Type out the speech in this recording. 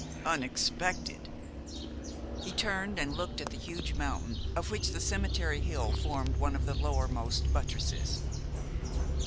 "Unexpected!" He turned and looked at the huge mountain of which the cemetery hill formed one of the lowermost buttresses.